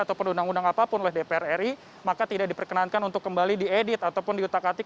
ataupun undang undang apapun oleh dpr ri maka tidak diperkenankan untuk kembali diedit ataupun diutak atik